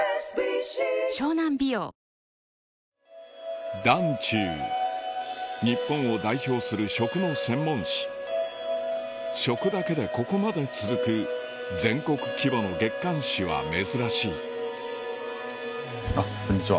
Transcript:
ニトリ日本を代表する食の専門誌食だけでここまで続く全国規模の月刊誌は珍しいこんにちは